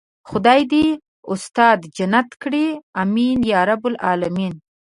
خدای دې استاد جنت کړي آمين يارب العالمين.